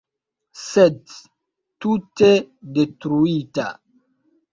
Sed, tute detruita.